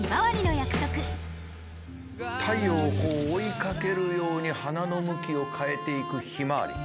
太陽を追いかけるように花の向きを変えていくひまわり。